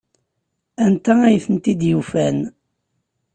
Anta ay tent-id-yufan?